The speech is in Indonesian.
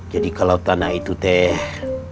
jadi kalau tanah itu teh